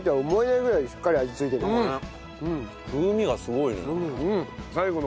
風味がすごいねなんか。